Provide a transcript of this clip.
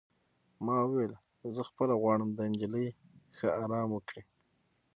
ما وویل: زه خپله غواړم دا نجلۍ ښه ارام وکړي.